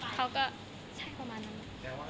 เขาก็ใช่ประมาณนั้น